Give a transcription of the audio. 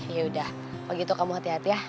yaudah begitu kamu hati hati ya